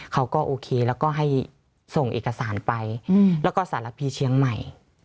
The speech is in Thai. เขาก็โอเคแล้วก็ให้ส่งเอกสารไปแล้วก็สารพีเชียงใหม่